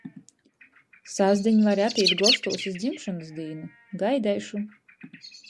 Sastdiņ vari atīt gostūs iz dzimšonys dīnu. Gaideišu!